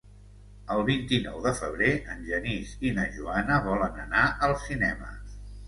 El vint-i-nou de febrer en Genís i na Joana volen anar al cinema.